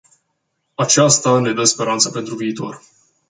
Aceasta ne dă speranță pentru viitor.